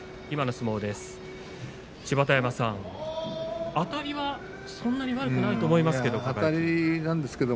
今の相撲です。